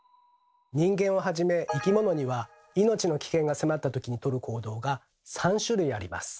人間をはじめ生き物には命の危険が迫ったときにとる行動が３種類あります。